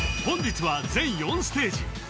本日は全４ステージ